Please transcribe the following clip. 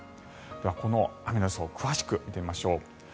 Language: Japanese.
では、この雨の予想詳しく見てみましょう。